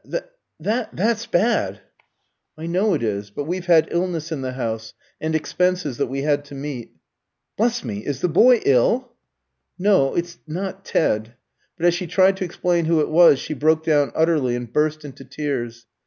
Tt t t tt that's bad." "I know it is. But we've had illness in the house, and expenses that we had to meet." "Bless me! Is the boy ill?" "No; it's not Ted " But as she tried to explain who it was she broke down utterly, and burst into tears.